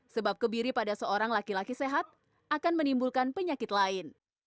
sebab kebiri pada seorang laki laki sehat akan menimbulkan penyakit lain